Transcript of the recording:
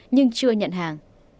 nhưng chưa nhận hàng